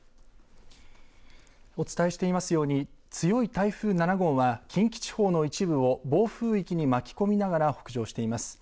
お伝えしていますように強い台風７号は近畿地方の一部を暴風域に巻き込みながら北上しています。